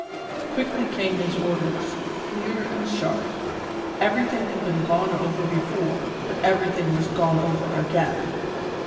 Quickly came his orders, clear and sharp; everything had been gone over before, but everything was gone over again.